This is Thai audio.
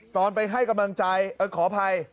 ตอนไปให้กำลังใจขออภัย